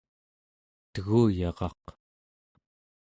teguyaraq